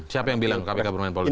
siapa yang bilang kpk bermain politik